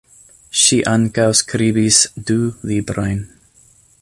Ŝi ankaŭ skribis du librojn.